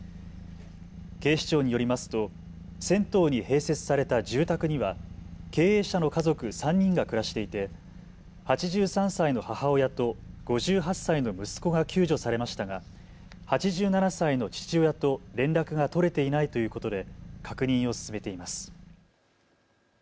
警視庁によりますと銭湯に併設された住宅には経営者の家族３人が暮らしていて８３歳の母親と５８歳の息子が救助されましたが８７歳の父親と連絡が取れていないということで確認を進めています。